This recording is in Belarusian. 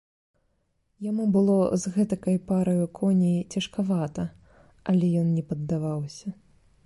Яму было з гэтакай параю коней цяжкавата, але ён не паддаваўся.